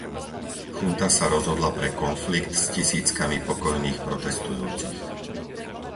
Junta sa rozhodla pre konflikt s tisíckami pokojných protestujúcich.